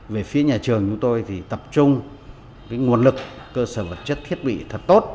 về phía nhà trường chúng tôi thì tập trung nguồn lực cơ sở vật chất thiết bị thật tốt